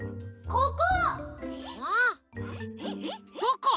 ここ？